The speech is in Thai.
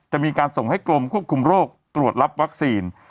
จะมีการส่งให้กรมควบคุมโรคตรวจรับวัคซีน